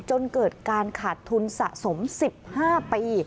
จนเกิดการขาดทุนสะสม๑๕ปี